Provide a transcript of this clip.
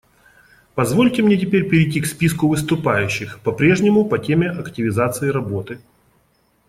Позвольте мне теперь перейти к списку выступающих — по-прежнему по теме активизации работы.